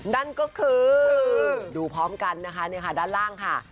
นั่นก็คือดูพร้อมกันนะคะด้านล่างค่ะ